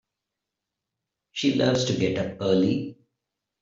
She loves to get up early.